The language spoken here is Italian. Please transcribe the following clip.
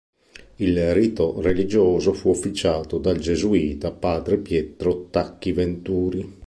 Il rito religioso fu officiato dal gesuita padre Pietro Tacchi Venturi.